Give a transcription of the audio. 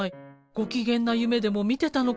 ご機嫌な夢でも見てたのかしら。